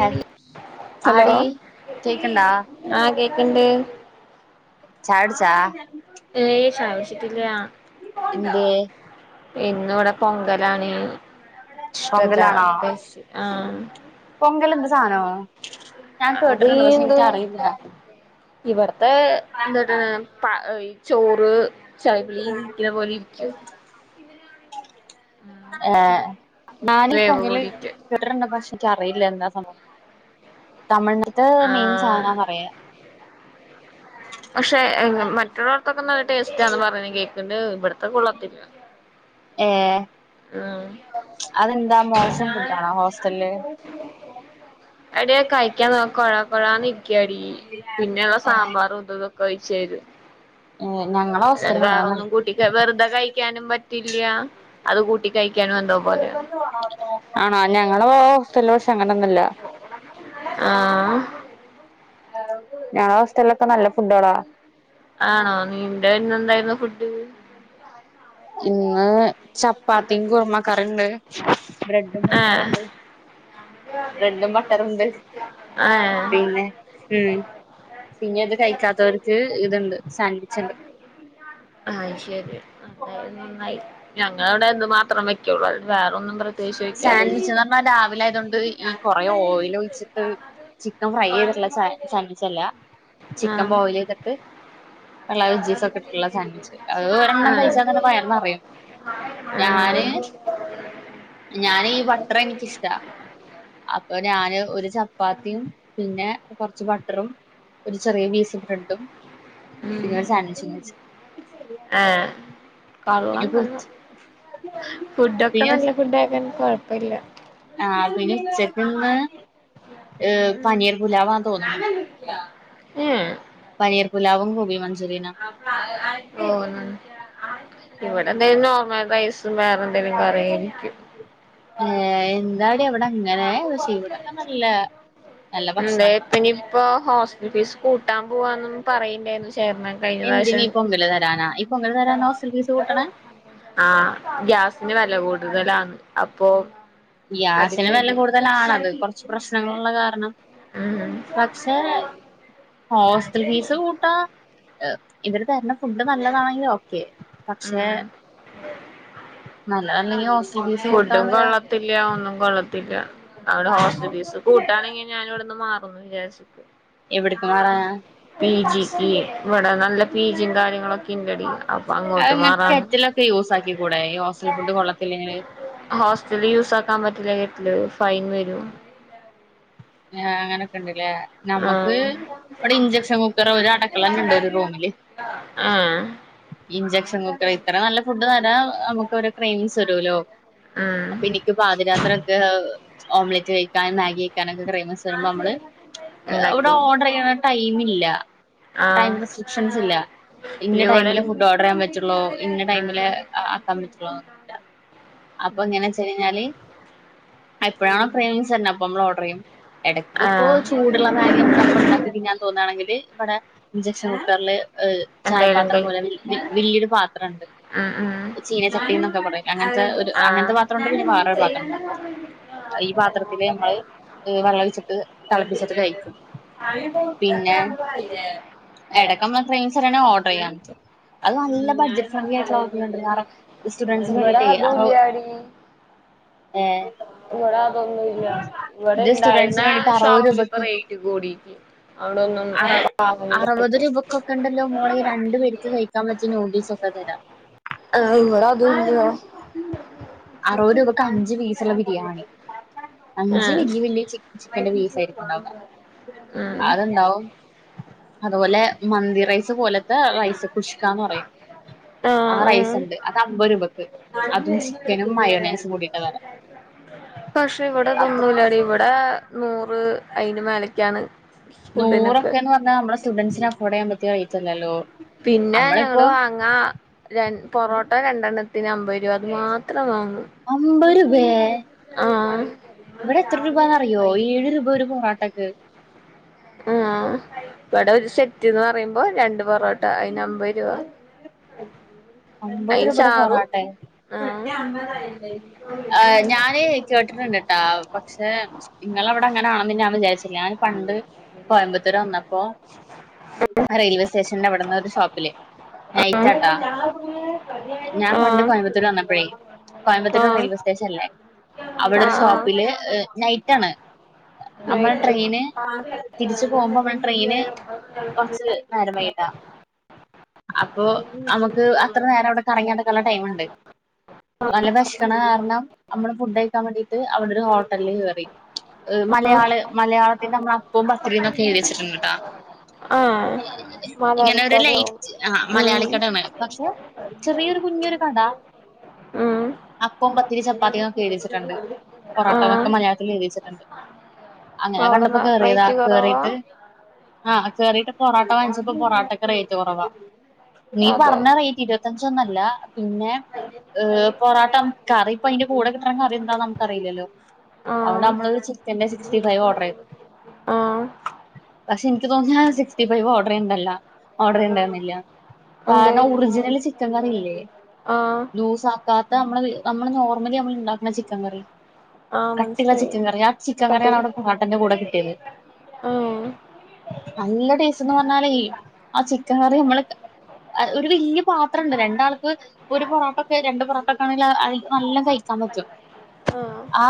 ഹ hello ആടി കേക്കണ്ടാ അ കേക്ക്ണ്ട് [inaudible] എന്തേ [inaudible] ഇന്നിവിടെ പൊങ്ങലാണ് ഇഷ്ടല്ല പൊങ്കലാണോ അ സാദനോ ഞാൻ കേട്ട്ണ്ട് പക്ഷെ ഇന്ക്കറിയില നീ പറ [unintelligible] [unintelligible] ചളിപിളിലിരിക്കണ പോലെ ഇരിക്കും [inaudible] വേവ് കൂടിയിട്ട് ഇൻക്കറിയില്ല എന്താ സംഭവ തമിഴ്നാട് മെയിൻ ആഹ് സാധന അറിയ പക്ഷെ മറ്റുള്ളോർക്കൊക്കെ നല്ല ടേസ്റ്റ പറയുന്നത് കേക്ക്ണ്ട് ഇവിടുത്തെ കൊള്ളത്തില്ല ഏ ആ അതെന്താ മോശം ഫുഡാണോ ഹോസ്റ്റലില് എടി അത് കയ്ക്ക നോക്കുമ്പോ കൊയ കൊയാന്ന് ഇരിക്കാടി പിന്നെ സാമ്പാറും [unintelligible] [unintelligible] ഏ ഞങ്ങളെ അല്ലാണ്ട് ഹോസ്റ്റലിൽ അങ്ങനൊന്നും വേറൊന്നും കൂട്ടി വെറുതെ കയിക്കാനും പറ്റില്ല അത് കൂട്ടി കയി ആണാ ഞങ്ങള് പോയഹോസ്റ്റലിസ്സ് അങ്ങനൊന്നില്ല ആഹ് ഞങ്ങടെ ഹോസ്റ്റലൊക്കെ നല്ല ഫുഡ്കള ആണോ നീന്റെ ഇന്ന് എന്തായിണ്ടാരുന്നു ഫുഡ് ഇന്ന് ചപ്പാത്തീം കുറുമക്കറീണ്ട് ബ്രെഡും ഏഹ് മുട്ടേണ്ട് ബ്രെഡും ബട്ടറുണ്ട് ഏഹ് പിന്നെ ഉം പിന്നെ ഇത് കഴിക്കാത്തവർക്ക് ഇതുണ്ട് സാൻവിച്ച് ഉണ്ട് അയ് നന്നായി ഞങ്ങടവിടെ അത് മാത്രം വെക്യുള്ളൂ അല്ലാതെ വേറെൊന്നും പ്രേത്യ സാൻവിച്ച് എന്ന് പറഞ്ഞാ രാവിലെ ആയതുകൊണ്ട് ഈ കൊറെ ഓയിൽ ഒഴിച്ചിട്ട് ചിക്കൻ ഫ്രൈ ചെയ്തിട്ടുള്ള സാൻവിച്ച് അല്ല ചിക്കൻ ബോയില് ചെയ്തിട്ട് വെള്ള വെജീസ് ഒക്കെ ഉം ഇട്ടിട്ടുള്ള സാൻഡ്വിച്ച് അത് ഒരെണ്ണം കഴിച്ചാൽ തന്നെ വയറ് നിറയും മും ഞന് ഈ വട്ടറ് എനിക്കിഷ്ട്ടാ അപ്പ ഞാന് ഒരു ചപ്പാത്തീം പിന്നെ കൊറച്ച് ബട്ടറും ഒരു ചെറിയ പീസ് ബ്രഡും ഉം പിന്നെ ഒരു സാൻവിച്ചും കഴിച്ചു കൊള്ളാം കൊള്ളാം ഫുഡൊക്കെ പിന്നെ നല്ല ഫുഡ ആക്കൻ കൊ- [unintelligible] ല്ല ആ പിന്നെ ഉച്ചക്കിന്ന് ഏഹ് ഉം പനീർ പുലാവന്ന് തോന്നണ് ഏഹ് പനീർ പുലാവും ഗോബി മഞ്ചൂരിന ഓഹ് [unintelligible] വൈസ് വേറെ എന്തെങ്കിലും കാറിയാരിക്കും ഏ എന്താടി അവിടെ അങ്ങനെ ക്ഷെ ഇവിടൊക്കെ നല്ല നല്ല ഭക്ഷണങ്ങളാ [unintelligible] പിന്ന ഇപ്പോ ഹോസ്റ്റൽ ഫീസ് കൂട്ടാം പ്രാവശ്യം എന്തിന് ഇപ്പൊങ്കല് തരാനാ ഈ പൊങ്കല് തരാനാ ഹോസ്റ്റൽ ഫീസ് കൂട്ടണേ ആ ഗ്യാസിന് വെല കൂടുതലാന്ന്‌ അപ്പോ ഗ്യാസിന് വെല കൂടുതലാണത് കുറച്ച് പ്രശ്നങ്ങളുള്ള കാരണം ഉം പക്ഷേ ഹോസ്റ്റൽ ഫീസ് കൂട്ടാ [unintelligible] ഇവര് തരുന്ന ഫുഡ് നല്ലതാണെങ്കി ഓ കെ പക്ഷെ ഉം നൽ [unintelligible] ഫുഡും കൊള്ളത്തി ഇല്യ ഒന്നും കൊള്ള ത്തില്ല അവിടെ ഹോസ്റ്റൽ ഫീസ് കൂട്ടാണെങ്കി ഞാനിവിടുന്ന് മാറുന്ന് വിചാരി [unintelligible] എവിടെക്കെ മാറാനാ? ബീജും കാര്യങ്ങളൊ അത് അങ്ങനെ കെറ്റിലൊക്കെ യൂസാക്കി കൂടെ, ഈ ഹോസ്റ്റൽ ഫുഡ് കൊള്ളത്തില്ലെങ്ങേ? ഹോസ്റ്റല് യുസാക്കാൻ പറ്റില്ല കെറ്റില്. ഫൈൻ വെരും. ആഹ് അങ്ങനൊക്കെണ്ട് യേ നമ്മക്ക് ആഹ് ഇവടെ ഇഞ്ചക്ഷൻ കുക്കറ് ഒരടുക്കളന്നിണ്ട് ഒരു റൂമില് ആഹ് ഇഞ്ചക്ഷൻ കുക്കറ് ഇത്ര നല്ല ഫുഡ് തരാൻ നമുക്ക് ഒരു ക്രീവിങ്ങ്സ് വെരൂലൊ. ഉം അപ്പൊ എനിക്ക് പാതിരാത്രി ഒക്കെ ഓംലെറ്റ് കഴിക്കാനും മാഗി കഴിക്കാനൊക്കെ ക്രവിംഗ്സ് വെരുമ്പോ നമ്മള് ഏഹ് ഇവടെ ഉണ്ടാക്കോ ഓർഡറ് ചെയ്യാനിള്ള ടൈമില്ല. ആഹ് ടൈം റെസ്ട്രിക്ഷൻസില്ല ഇന്ന ഇവിടെ ടൈമില് ഫുഡ് ഓർഡറെയ്യാൻ പറ്റോള്ളൂ ഇന്ന ഉം ടൈമില് ആക്കാൻ പറ്റോള്ളൂന്നൊന്നില്ല അപ്പൊ ഉം എങ്ങനാച്ചഴിഞ്ഞാല് എപ്പഴാണോ ക്രവിങ്ങ്സ് വരണേ അപ്പൊ നമ്മള് ഓർഡറെയ്യും, എടക്ക് ഇപ്പോ ആഹ് ചൂടുള്ള മാഗി നമുക്ക് അപ്പൊ ഇണ്ടാക്കി തോന്നാണെങ്കില് ഇവടെ ഇഞ്ചക്ഷൻ കുക്കർല് ഏഹ് ചായ എന്തായാലും പാത്രം കൈ പോല വി- വലിയൊരു പാത്രം ഉണ്ട്. ഉം ഉം ചീന ചട്ടിന്നൊക്കെ പറലേ അങ്ങനത്തെ ഒരു ആഹ് അങ്ങനത്തെ പാത്രണ്ട് പിന്നെ വാറരു പാത്രണ്ട് ഈ പാത്രത്തില് നമ്മള് വെള്ള ഒഴിച്ചിട്ട് തിളപ്പിച്ചിട്ട് കഴിക്കും പിന്നെ എടക്കമ്മള് ട്രെയ് ന ഓർഡർ ചെയ്യാഞ്ഞി അത് നല്ല ബഡ്ജറ്റ് ഫ്രണ്ട്ലി ആയിട്ടുള്ള സ്റ്റുഡന് ഇവിടെ വേണ്ടീട്ട അതുല്ലാടി ഏ ഇവിടെ അതൊന്നുല്ല ഇവിടെ ഇണ്ടായിരുന്ന സ്റ്റുഡൻസിന് വേണ്ടീട്ട് അറുപത് ഷോപ്പില് ഇപ്പ രൂപക്ക് റേറ്റ് കൂടിക്ക് അവിടൊന്നും വാങ്ങാൻ പ അറുപത് രൂപക്കൊക്കെ ഉണ്ടല്ലോ മോളെ രണ്ട് പേർക്ക് കഴിക് ക്കാൻ വച്ച നൂഡിൽസ അഹ് തരാ ആഹ് ഇവിടെ അതുല്ല അറുപത് രൂപയ്ക്ക് അഞ്ച് പീസ് ചില ബിരിയാണി അഞ്ച് ആഹ് വലയ വല്യ ചിക്കന്റെ പീസ് ആയിരിക്കുംണ്ടാവ ഉം അത്ണ്ടാവും അതുപോലെ മന്തി റൈസ് പോലത്തെ റൈസ് പുഷ്കന്ന് പറയും ആ ആഹ് റൈസ് ആഹ് ഉണ്ട് അത് അമ്പത് രൂപക്ക് അതും ചിക്കനും മയോനൻസും കൂടിട്ട് തരാ പക്ഷെ ഇവിടെ അപ്പൊ തോന്നലടി ഇവിടെ നൂറ് അയിന് മേലക്കാണ് ഫുഡിനൊക്കെ നൂറൊക്കന്ന് പറഞ്ഞാ നമ്മ സ്റ്റുഡൻസിന് അഫോർഡ് ചെയ്യൻ പറ്റി റ്റല്ല ല്ലോ പിന്നെ ഞങ്ങള് വാങ്ങാ ര പൊറോട്ട രണ്ടെ ത്തിന് അമ്പരൂവ അത് മാത്രം വാങ്ങും അമ്പ രൂപേ ആഹ് ഇവിടെ എത്ര രൂപന്നറിയോ ഏഴ് രൂപ ഒരു പൊറ ട്ടക്ക്. എം ഇവിടെ ഒരു സെറ്റ്ന്ന് പറേ മ്പോ രണ്ട് പൊറോട്ട അയിന് അമ്പരുപ. അമ്പത് രൂപയുടെ പൊറാട്ടെ ആഹ് ഞാന് കേട്ടിട്ടുണ്ട് ട്ടാ പക്ഷെ നിങ്ങള അവിടെ അങ്ങനണെന്ന് ഞാൻ വിചാരിച്ചില്ല ഞാൻ പണ്ട് കോയമ്പത്തൂര് വന്നപ്പോ റെയിൽവേ സ്റ്റേഷന്റെ അവിടന്ന് ഒരു ഷോപ്പില് നൈറ്റാട്ടാ ഞാൻ പണ്ട് ആഹ് കോയമ്പത്തൂര് വന്നപ്പഴേ കോയമ്പത്തൂർ ആഹ് റെയിൽവേ സ്റ്റേഷൻ ല്ലേ ആഹ് അവിടെ ഒരു ആഹ് ഷോപ്പില് നൈറ്റ് ണ്. നമ്മള് നൈറ്റ് ട്രെയിന് തിരിച്ചു പോകുമ്പോ നമ്മള് ട്രെയിന് കൊർച്ച് നേരമായി അപ്പൊ നമക്ക് റേ നേരം അവിടെ കറങ്ങി നടക്കാൻള്ള ടൈമ്ണ്ട് നല്ല വെഷക്കണ കാരണം നമ്മള് ഫുഡ് കഴിക്കാൻ വേണ്ടീട്ട് അവിടെ ഒരു ഹോട്ടലില് കയറി. ആഹ് മലയാള് മലയാളത്തിന്റെ നമ്മള് അപ്പോം പത്തിരീം എന്നൊക്കെ എഴുതിച്ചിട്ടുണ്ട് ട്ടാ ആഹ് ഇങ്ങനെ ഒരു മലയാളിക്കടയാവും ലൈറ്റ് ആ ഉം മലയാളിക്കടാണ് പക്ഷെ ചെറിയൊരു കുഞ്ഞൊരു കട ഉം അപ്പം പത്തിരി ചപ്പാത്തിന്നൊക്കെ എഴുതി വെച്ചിട്ടുണ്ട് പൊറോട്ട എന്നൊക്കെ ആഹ് മലയാളത്തിൽ എഴുതി വെച്ചിട്ടുണ്ട്. [inaudible] അങ്ങനെ കണ്ടപ്പോ അവിടെന്ന് കേറിയതാ റേറ്റ് കുറവാ കേറീട്ട് ആഹ് കേറീട്ട് പൊറോട്ട വാങ്ങിച്ച് ഇപ്പം പൊറാട്ടക്കെ റേറ്റ് കുറവാ. നീ അതെ പറഞ്ഞ റേ ഇരുപത്തഞ്ചൊന്നല്ല പിന്നെ ഏ പൊറോട്ട കറിപ്പൊ അതിന്റെ കൂടെ കിട്ടണ കറി എന്താന്ന് നമുക്കറിയില്ലല്ലോ അതുകൊണ്ട് ആഹ് നമ്മള് ചിക്കന്റെ സിക്സ്റ്റി ഫൈവ് ഓർഡറ് ചെയ്ത്. ആഹ് പക്ഷെ എനിക്ക് തോന്നിയ ഫൈവ് ഓർഡറ് ചെയ്യ്യ്യുണ്ടാലോ ഓർഡർണ്ടായിരുന്നില്ല എന്തെ കാരണം ഒർജി - നല്ല ചിക്കൻ കറില്ലേ ആഹ് ലൂസ് ആക്കാത്ത നമ്മള് നമ്മള് നോർമലി നമ്മ നല്ല ചിക്കൻ കറി ആഹ് കട്ടിയുള്ള മനസ്സിലായി ചിക്കൻ കറിയാ ആ ചിക്കൻ കട്ട് കറിയാണ് ചെയ്തോ അവിടെ പൊറോട്ടന്റെ കൂടെ കിട്ടിയത്. ആഹ് നല്ല ടേസ്റ്റ്ന്ന് പറഞ്ഞാലേ ആ ചിക്കൻ കറി നമ്മള് ഒരു വലിയ പാത്രണ്ട് രണ്ടാൾക്ക് ഒരു പൊറോട്ടക്കെ രണ്ട് പൊറോട്ടൊക്കെ ആണെങ്കിൽ നല്ല കഴിക്കാൻ പറ്റും ആഹ് ആ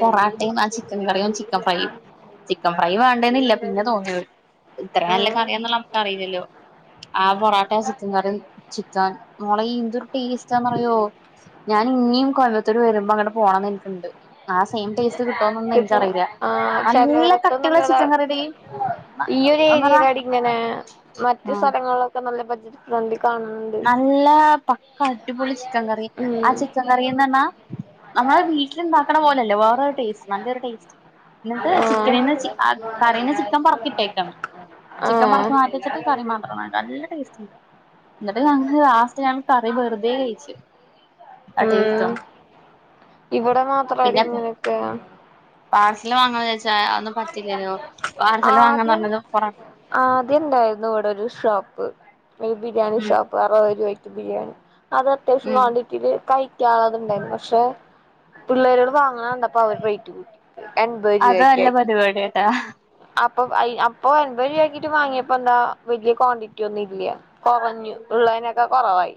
പൊറോട്ടയും ആ ചിക്കൻ കറിയും ചിക്കൻ ഫ്രൈയും ചിക്കൻ ഫ്രൈ വേണ്ടന്നില്ല പിന്നെ തോന്നിയ ഇത്ര നല്ല ആഹ് കറിയാന്ന് നമുക്ക് അറിയില്ലല്ലോ ആ പൊറ ചിക്കൻ കറിയും ചിക്കാൻ മോളെ എന്തൊരു ടേസ്റ്റാന്ന് അറിയോ ഞാൻ ഇനിയും കോയമ്പത്തൂർ വരുമ്പോ അങ്ങട് പോണന്ന് എനക്ക്ണ്ട് ആ സെയിം ടേസ്റ്റ് കിട്ടോന്നൊന്നും എനിക്കറിയില്ല [unintelligible] ആ നല്ല ചലോടത്ത കട്ടിയുള്ള നല്ലതാ ചിക്കൻ കറിയെടി ഈ ഒരു ഒന്നറ ഏരിയ ലാടി ഇങ്ങനെ മറ്റു ഉം സ്ഥലങ്ങളിലൊക്കെ നല്ല [unintelligible] നല്ല പക്ക ടിപൊളി ചി ക്കൻ കറി ആ ഉം ചിക്കൻ കറി ന്നർഞ്ഞ നമ്മള് വീട്ടില്ണ്ടാക്കണ പോലെയല്ലേ വേറൊരു ടേസ്റ്റ് നല്ലൊരുടേസ്റ്റ് ന്നട്ട് ആഹ് ചിക്കനീന്ന് ചി അ കറീന്ന് ചിക്കൻ പൊറക്കിട്ടേക്കൻ ചിക്കൻ ആഹ് പറക്കി മാറ്റി വെച്ചിട്ട് കറി മാത്രം [unintelligible] നല്ല ടേസ്റ്റ് ണ്ട്. ന്നട്ട് ഞങ്ങക്ക് ലാസ്റ്റ് ഞങ്ങൾ കറി വെറ്തെ കഴിച്ചു ആ ടേസ്റ്റോണ്ട് ഇവടെ മാത്രടി ഇങ്ങനൊക്കെ പാർസൽ വാങ്ങണ വിചാര്ച്ച് റ്റാ ഒന്നും പറ്റില്ലല്ലോ പാർസല് വാങ്ങാന്ന് ആദ്യം പറഞ്ഞത് പൊറ ആദ്യം ണ്ടായിരുന്നു ഇവടൊരു ഷ് ഷോപ്പ് ഒരു ബിരിയാണി ഉം ഷോപ്പ് [unintelligible] ബിരിയാണി അത് അത്യാവശ്യം ഉം ക്വാണ്ടിറ്റില് കഴിക്കാനുള്ളത്ണ്ടായിന്നു പക്ഷെ പിള്ളേരോട് വാങ്ങണ കണ്ടപ്പൊ അവര് റേറ്റ് കൂട്ടി എൺപത് അത് നല്ല രൂപയ്ക്കാക്കി പരിപാടിയാട്ടാ അപ്പൊ അയ് അപ്പൊ എൺപത് രൂപക്കിട്ട് വാങ്ങിയപ്പോ എന്താ വല്യ ക്വാണ്ടിറ്റി ഒന്നും ഇല്ല കൊറഞ്ഞു ഉള്ളേനൊക്കെ കുറവായി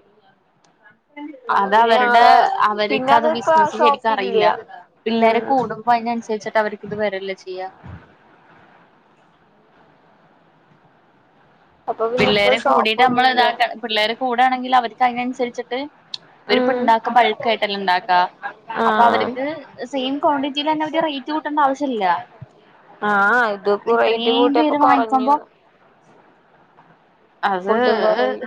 അപ്പൊ അത് പിന്നെ അവരുടെ ഞങ്ങള് പിന്നെ അവർക്ക് അത് ഇപ്പ ബിസിനസ് ശരിക്കും ഷോപ്പില്ല അറിയില്ല പിള്ളേര് ഉം കൂടുമ്പോ അതിനനുസരിച്ചിട്ട് അവർക്ക്ത് വരല്ലോ ചെയ്യാ അപ്പൊ പിന്നെ ഇപ്പോ പിള്ളേരെ കൂടിട്ട് നമ്മള് ഷോപ്പൊന്നുല്ല ഇതാക്ക പിള്ളേരെ കൂടയാണെങ്കിൽ അവർക്ക് അതിനനുസരിച്ചിട്ട് ഇവരിപ്പം ഉം ഇണ്ടാക്ക ബൾക്ക് ആയിട്ടല്ലെ ഇണ്ടാക്ക അപ്പൊ ആഹ് അവർക്ക് സെയിം ക്വാണ്ടിറ്റിൽ തന്നെ അവ റേറ്റ് കൂട്ടണ്ട ആവശ്യ ഇല്ല ആഹ് ഇത് റേറ്റ് ഇത്രേം കൂട്ടിയപ്പോ പേര് കൊറഞ്ഞു വാങ്ങിക്ക്പോ അത് ഫുഡും കൊറവി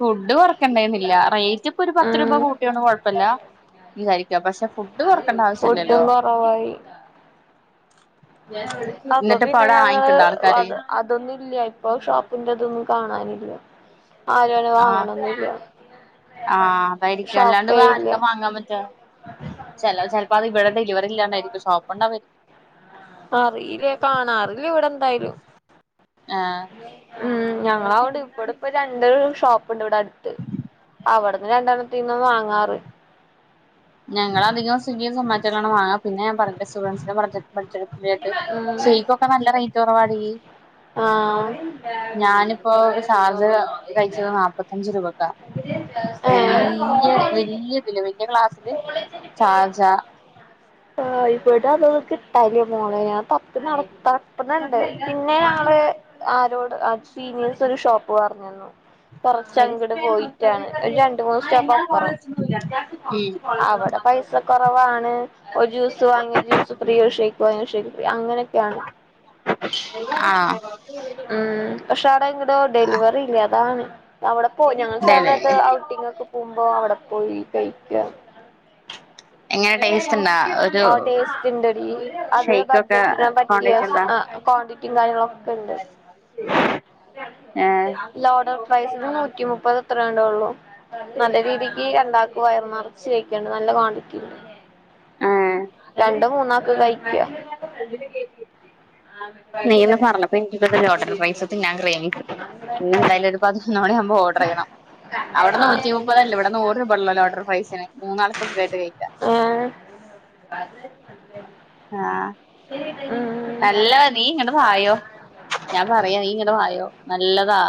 ഫുഡ് കൊറക്കണ്ടുന്നില്ല റേറ്റ് ഇപ്പൊ ഒരു പത്ത് രൂപ ഉം കൂട്ടിയന്ന് കുഴപ്പമില്ല പക്ഷെ ഫുഡ് കൊറക്കണ്ട ഫുഡും ആവശ്യല്ലല്ലോ കൊറവായി അപ്പൊ എന്നിട്ട്പ്പ പിന്നെ അവിടെ ഞങ്ങള് വാങ്ങിക്കണ്ടോ ആൾക്കാര് അതൊന്നും ഇല്ല ഇപ്പൊ ഷോപ്പിന്റെതൊന്നും കാണാനില്ല [unintelligible] അങ്ങനെ ആ വാങ്ങണൊന്നില്ല ആഹ് അതായിരിക്കും അല്ലാണ്ട് ഷോപ്പേ ഇല്ല ആർക്കു വാങ്ങാൻ പറ്റാ ചെലപ്പോ അത് ഇവിടെ ഡെലിവറി ഇല്ലാണ്ടായിരിക്കും ഷോപ്പ് ഉണ്ടായിരിക്കും അറിയില്ലേ കാണാ അറിയില്ല ഇവിടെ എന്തായാലും ഉം ഞങ്ങളവിടെ ഇപ്പടെ ഇപ്പ രണ്ട് ഷോപ്പ്ണ്ട് ഇവിടെ അടുത്ത് അവിടന്ന് രണ്ടെണ്ണത്തീന്ന് വാങ്ങാറ് ഞങ്ങളധികം സ്വിഗ്ഗി സോമറ്റോ വാങ്ങുക പിന്നെ ഞാൻ പറഞ്ഞ ഉം [unintelligible] ഷെയ്ക്കൊക്കെ നല്ല റേറ്റ് കുറവാടി ആഹ് ഞാനിപ്പോ ശാർജ കഴിച്ചത് നാല്പത്തഞ്ച് രൂപക്ക വല്യ ഏഹ് വലിയതില് വല്യ ക്ലാസ് ഷാർജാ- ആ് ഇവിടെ കിട്ടാല്ല്യ മോളേ പപ്പ നടത്തപ്പന്നണ്ട് പി ളെ ആരോട് സീനിയേഴസ് ഒരു ഷോപ്പ് പറഞ്ന്ന് കൊറച്ച് അങ്ങിട് പോയിട്ടാണ് ഒരു രണ്ട് മൂന്ന് സ്റ്റെപ്പ് അപ്പുറം അവിടെ പൈസ കൊറവാണ് ര് ജ്യൂസ് വാങ്ങിയ ജ്യൂസ് ഫീ ഷേക്ക് വാങ്ങിയ ഷേക്ക് ഫീ അങ്ങനെയൊക്കെയാണ് ഉം പക്ഷെ അടെ ഇങ്ങടെ ഡെലിവറി ഇല്ല താണ് അവിടെ പോയി ഞങ്ങൾ ചേർത് ഔട്ടിംഗ് ഒക്കെ പോകുമ്പോ അവിടെ പോയി കഴിക്ക എങ്ങനെ ടേസ്റ്റ് ഇണ്ടെടി അത് ഷെയ്ക്കൊക്കെ ബഡ്ജറ്റ് പറ്റിയ കോണ്ടേറ്റ് ക്വാണ്ടിറ്റിയും കാര്യങ്ങളുക്കെ ഉണ്ട് ലോഡർ പ്രൈസ് നൂറ്റി മുപ്പത് എത്ര യേ ഒള്ളു നല്ല രീതിക്ക് എണ്ടാക്കുവാരുന്നോ- ച്ചെയൊക്കെയുണ്ട് നല്ല [unintelligible] വി [unintelligible] ആ കഴിക്കുക നീന്ന് പറഞ്ഞപ്പൊ എനിക്ക് [unintelligible] ലോട്ടറി പൈസക്ക് ഞാൻ ക്രയിനി പോകും ഇന്നെന്തായാലും ഒരു പതിനൊന്ന് മണിയാവുമ്പോ ഓഡറ് ചെയ്യണം അവിടെ നൂറ്റി മുപ്പതല്ലേ ഇവിടെ നൂറ് രൂപ ഉള്ളല്ലോ ലോട്ടറി പ്രൈസിന് മൂന്നാൾക്ക് സുഖായിട്ട് കഴിക്കാം ഏഹ് ആ ഉം നല്ലതാ നീ ഇങ്ങട് വായോ ഞാൻ പറയാ നീ ഇങ്ങട് വായോ നല്ലതാ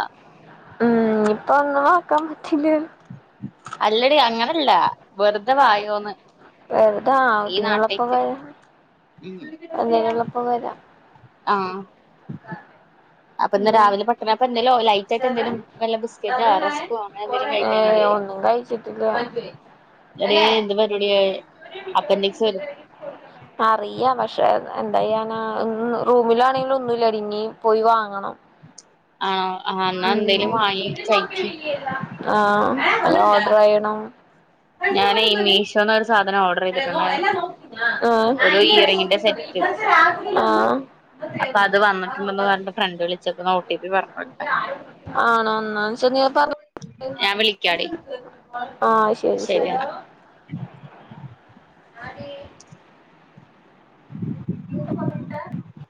ഉം ഇപ്പൊ ഒന്നും ആക്കാൻ പറ്റില്ല അല്ലടി അങ്ങനല്ല വെറുതെ വായോന്ന് വെറുതാ ഈ ഔടുള്ളപ്പോ നാട്ടേക്ക് വയോ ഉം അള്ളപ്പോ വരാം ആഹ് അപ്പൊ ഉം ഇന്ന് രാവിലെ പെട്ടെന്ന് അപ്പൊ എന്തേലും ലൈറ്റ് ആയിട്ട് എന്തേലും വല്ല ബിസ്ക്കറ്റോ റസ്കോ അങ്ങനെ എന്തെലും ഏഹ് കഴിക്കാൻ ഒന്നും കഴിച്ചിട്ടില്ല ഒരേ എന്ത് പരിപാടിയ അപ്പൻഡിക്സ് വരും അറിയാ പക്ഷെ എന്താ ചെയ്യാനാ [unintelligible] റൂമിലാണെങ്കിലും ഒന്നും ഇല്ല പിന്നേ പോയി വാ- ങ്ങണം ആ പ ഉം ആ വല്ലോം ഓർഡറായേണോ ഞാനേ മീഷോന്ന് ഒരു സാധനം ഓർഡറ് ചെയ്തിട്ട്ണ്ടാരുന്നു ഒരു ഇയറിങ്ങിന്റെ സെറ്റ് ആഹ് ആഹ് അപ്പൊ അത് വന്നിട്ടുണ്ടന്ന് പറഞ്ഞ് ഫ്രണ്ട് വിളിച്ചക്കണ് ഒ ടി പി പറ ആണോന്നാ ചെറിയ പറ ഞാൻ [unintelligible] ആഹ് ശ ശരിയ [unintelligible] [unintelligible]